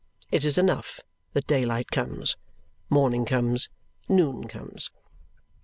It is enough that daylight comes, morning comes, noon comes.